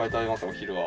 お昼は。